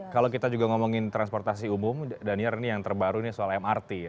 kalau kita juga ngomongin transportasi umum daniel ini yang terbaru soal mrt